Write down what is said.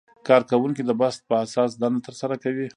کارکوونکي د بست په اساس دنده ترسره کوي.